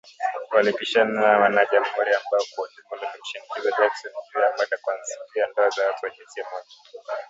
Walipishana na wana jamuhuri ambao kwa ujumla walimshinikiza Jackson, juu ya mada kuanzia ndoa za watu wa jinsia moja